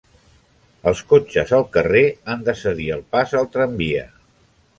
Els cotxes al carrer han de cedir el pas al tramvia.